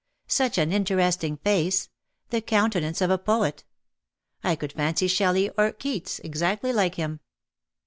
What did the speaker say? Such an interesting face — the countenance of a poet. I could fancy Shelley or Keats exactly like him.'